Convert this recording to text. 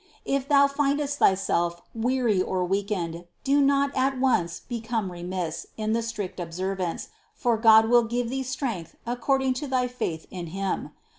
If thou findest thyself weary or weakened, do not at once become remiss in the strict observance, for God will give thee strength according to thy faith in Him.